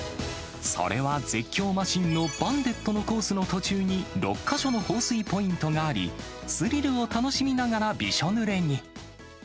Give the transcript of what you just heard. それは絶叫マシンのバンデットのコースの途中に６か所の放水ポイントがあり、スリルを楽しみながらびしょぬれに。